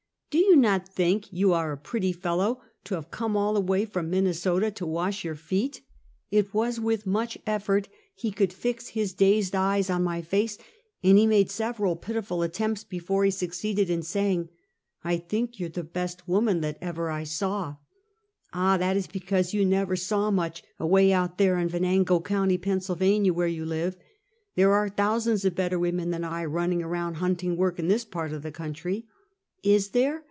Do you not think you are a pret ty fellow to have me come all the way from Minnesota to wash your feet ?" It was with much effort he could fix his dazed eyes on my face, and he made several pitiful attempts be fore he succeeded in saying: " I think ye'r the best woman that ever I saw! "" Ah, that is because you never saw much, away out there in Yenango county, Pennsylvania, where j ou live. There are thousands of better women than I, running around hunting work, in this part of the coun try." "Is there?"